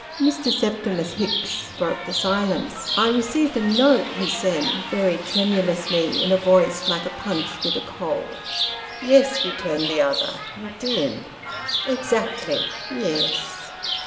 Mr. Septimus Hicks broke silence. " I received a note " he said, very tremulously, in a voice like a Punch with a cold. " Yes," returned the other, " you did." Exactly." Yes."